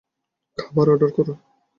খাবার অর্ডার করো।